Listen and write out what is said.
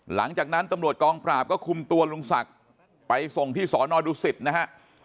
หลังจากนั้นตำรวจกองปราบก็คุมตัวลุงศักดิ์ไปส่งที่สอนอดุสิตนะฮะ